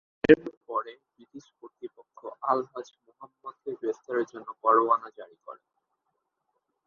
এরপরে ব্রিটিশ কর্তৃপক্ষ আলহাজ মুহাম্মদকে গ্রেপ্তারের জন্য পরোয়ানা জারি করে।